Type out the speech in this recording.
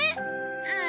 うん。